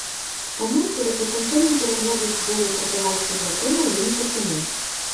Памёр перад заканчэнне перагляду збору партугальскіх законаў у выніку чумы.